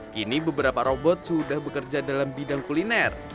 kini beberapa robot sudah bekerja dalam bidang kuliner